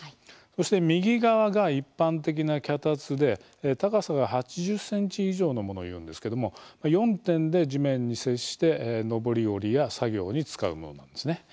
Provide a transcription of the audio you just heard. そして右側が一般的な脚立で高さが８０ｃｍ以上のものをいうんですけれども４点で地面に接して昇り降りや作業に使うものなんですね。